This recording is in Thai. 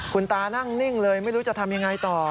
คุณตานั่งนิ่งเลยไม่รู้จะทำยังไงต่อ